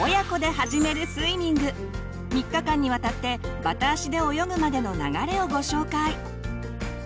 ３日間にわたってバタ足で泳ぐまでの流れをご紹介。